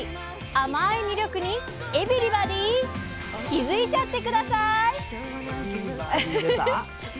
甘い魅力に「エビ」リバディー気付いちゃって下さい！